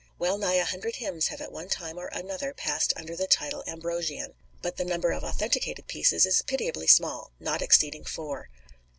Well nigh a hundred hymns have at one time or another passed under the title Ambrosian, but the number of authenticated pieces is pitiably small, not exceeding four.